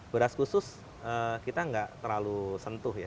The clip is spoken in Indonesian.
beras khusus kita nggak terlalu sentuh ya